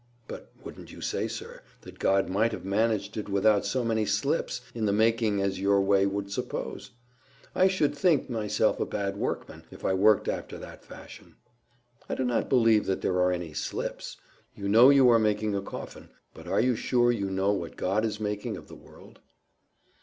"But wouldn't you say, sir, that God might have managed it without so many slips in the making as your way would suppose? I should think myself a bad workman if I worked after that fashion." "I do not believe that there are any slips. You know you are making a coffin; but are you sure you know what God is making of the world?"